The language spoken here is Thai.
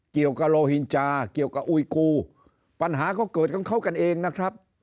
เกี่ยวกับโลหินจาเกี่ยวกับอุยกูปัญหาเขาเกิดของเขากันเองนะครับ